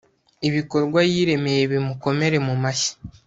ibikorwa yiremeye bimukomere mu mashyi